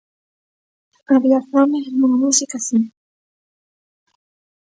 Había fame dunha música así.